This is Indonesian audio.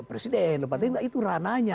presiden itu rananya